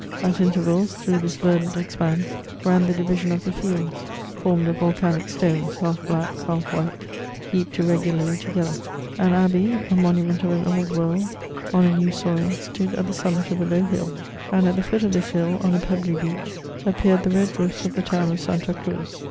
At intervals through this verdant expanse ran the divi sions of the fields, formed of volcanic stones, half black, half white, heaped irregularly together. An abbey, a monument of 242 MEMOIRS OF an old world on a new soil, stood at the summit of a low hill, and at the foot of this hill, on a pebbly beach, appeared the red roofis of the town of Santa Cruz.